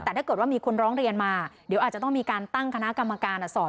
แต่ถ้าเกิดว่ามีคนร้องเรียนมาเดี๋ยวอาจจะต้องมีการตั้งคณะกรรมการสอบ